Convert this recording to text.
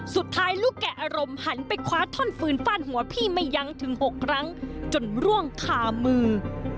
สุดท้ายลูกแกะอารมณ์หันไปคว้าท่อนฟืนฟาดหัวพี่ไม่ยั้งถึง๖ครั้งจนร่วงคามือ